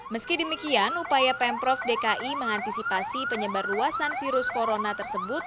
meski demikian upaya pemprov dki mengantisipasi penyebar luasan virus corona tersebut